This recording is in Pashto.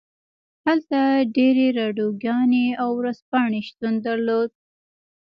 هلته ډیرې راډیوګانې او ورځپاڼې شتون درلود